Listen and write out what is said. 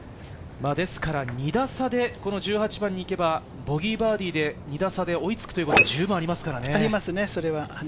ですから２打差で１８番に行けば、ボギーバーディーで２打差で追いつくというのが、じゅうぶんにありますからね。